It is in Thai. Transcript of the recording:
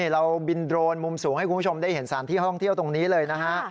เราบินโดรนมุมสูงให้คุณผู้ชมได้เห็นสถานที่ท่องเที่ยวตรงนี้เลยนะฮะ